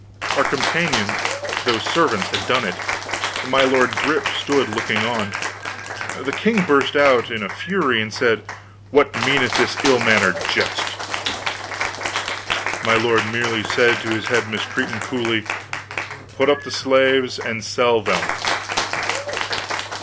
Our companions, those servants, had done it; my lord Grip stood looking on. The king burst out in a fury, and said: "What meaneth this ill mannered jest?" My lord merely said to his head miscreant, coolly: "Put up the slaves and sell them!"